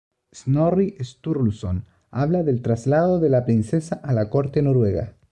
Snorri Sturluson habla del traslado de la princesa a la corte noruega.